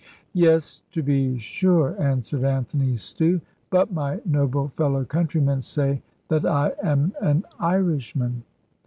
"Yes, to be sure," answered Anthony Stew: "but my noble fellow countrymen say that I am an Irishman."